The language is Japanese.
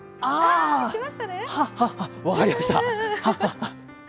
分かりました！